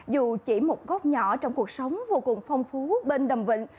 dù chỉ một góc nhỏ trong cuộc sống vô cùng phong phú bên đầm vịnh